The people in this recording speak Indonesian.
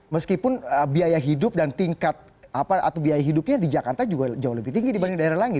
meskipun biaya hidup dan tingkat atau biaya hidupnya di jakarta juga jauh lebih tinggi dibanding daerah lain